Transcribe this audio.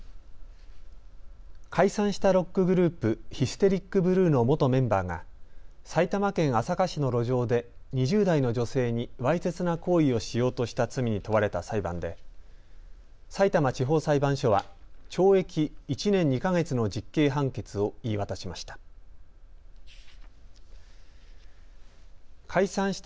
解散したロックグループ、ヒステリックブルーの元メンバーが埼玉県朝霞市の路上で２０代の女性に、わいせつな行為をしようとした罪に問われた裁判でさいたま地方裁判所は懲役１年２か月の実刑判決を言い渡しました。